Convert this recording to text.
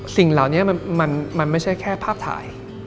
สิ่งเหล่านี้มันไม่ใช่แค่ภาพถ่าย